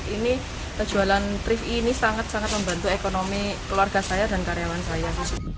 ini jualan trip ini sangat sangat membantu ekonomi keluarga saya dan karyawan saya